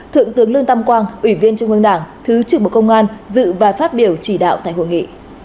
thượng tướng lương tam quang ủy viên trung ương đảng thứ trưởng bộ công an dự và phát biểu chỉ đạo tại hội nghị